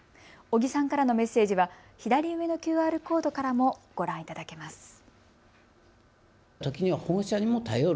尾木さんからのメッセージは左上のＱＲコードからもご覧いただけます。